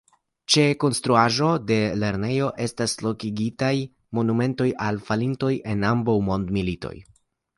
Ĉe konstruaĵo de lernejo estas lokigitaj monumentoj al falintoj en ambaŭ mondmilitoj.